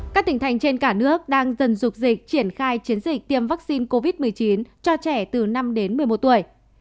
các tỉnh thành trên cả nước đang dần dục dịch triển khai chiến dịch tiêm vaccine covid một mươi chín cho trẻ từ năm đến một mươi một tuổi